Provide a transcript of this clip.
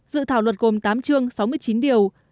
dự thảo luật gồm tám chương sáu mươi chín điều